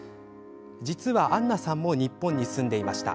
実は、アンナさんも日本に住んでいました。